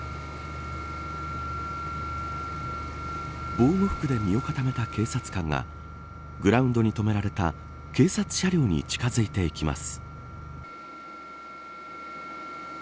防護服で身を固めた警察官がグラウンドに止められた警察車両に近づいていきます。